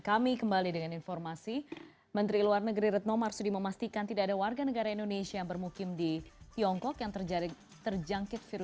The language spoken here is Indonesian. kami kembali dengan informasinya